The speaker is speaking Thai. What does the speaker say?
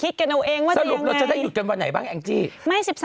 สรุปเราจะได้หยุดกันวันไหนบ้างแองจี้